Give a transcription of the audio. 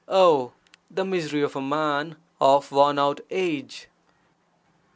Oh, the misery of a man of worn out age!